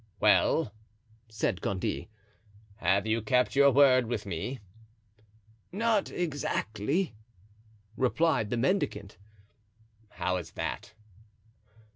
"Well," said Gondy, "have you kept your word with me?" "Not exactly," replied the mendicant. "How is that?"